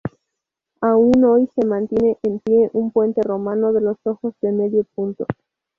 Aún hoy se mantiene en pie un puente romano de ojos de medio punto.